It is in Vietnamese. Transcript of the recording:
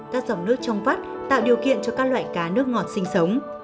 các dòng nước trong vắt tạo điều kiện cho các loại cá nước ngọt sinh sống